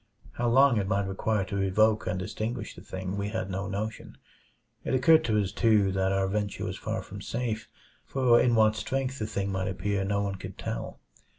How long it might require to evoke and extinguish the thing, we had no notion. It occurred to us, too, that our venture was far from safe; for in what strength the thing might appear no one could tell.